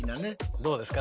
どうですか？